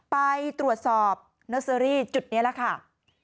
ไปตรวจสอบเนอร์เซอรี่จุดนี้ล่ะค่ะ